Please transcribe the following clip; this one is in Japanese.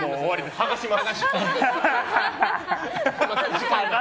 はがします。